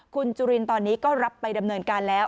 คุณจุลินตอนนี้ก็รับไปดำเนินการแล้ว